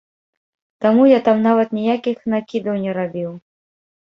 Таму я там нават ніякіх накідаў не рабіў.